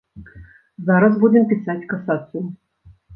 Зараз будзем пісаць касацыю.